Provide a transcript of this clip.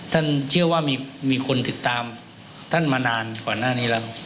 ท่านเชื่อว่ามีคนติดตามท่านมานานก่อนหน้านี้แล้ว